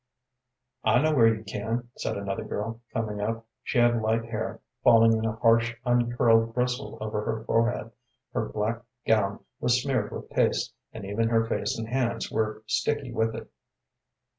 "I know where you can," said another girl, coming up. She had light hair, falling in a harsh, uncurled bristle over her forehead; her black gown was smeared with paste, and even her face and hands were sticky with it.